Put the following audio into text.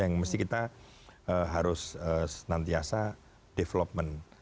yang mesti kita harus senantiasa development